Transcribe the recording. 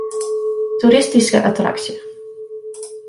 Toeristyske attraksje.